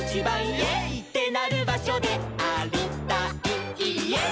「イェイ！ってなるばしょでありたいいえい！」